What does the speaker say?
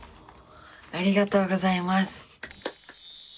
ありがとうございます！